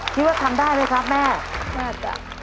คิดว่าทำได้ไหมครับแม่แม่จะ